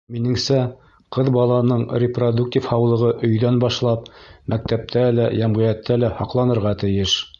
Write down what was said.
Минеңсә, ҡыҙ баланың репродуктив һаулығы өйҙән башлап, мәктәптә лә, йәмғиәттә лә һаҡланырға тейеш.